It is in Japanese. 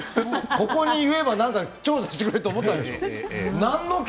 ここに言えば調査してくれると思ったんでしょうね。